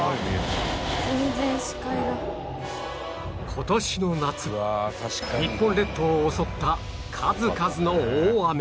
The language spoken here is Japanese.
今年の夏日本列島を襲った数々の大雨